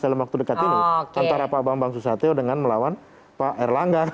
dalam waktu dekat ini antara pak bambang susatyo dengan melawan pak erlangga